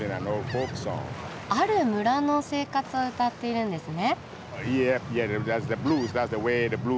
ある村の生活を歌っているんですね。